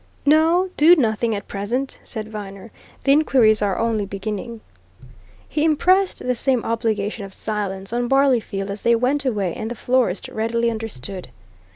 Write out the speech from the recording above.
"No do nothing at present," said Viner. "The inquiries are only beginning." He impressed the same obligation of silence on Barleyfield as they went away, and the florist readily understood.